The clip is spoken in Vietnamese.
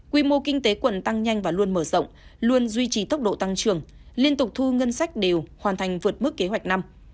quy mô kinh tế quận tăng nhanh và luôn mở rộng luôn duy trì tốc độ tăng trưởng liên tục thu ngân sách đều hoàn thành vượt mức kế hoạch năm